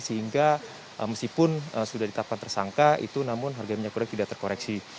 sehingga meskipun sudah ditetapkan tersangka itu namun harga minyak goreng tidak terkoreksi